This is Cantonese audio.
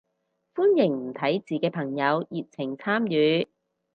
歡迎唔睇字嘅朋友熱情參與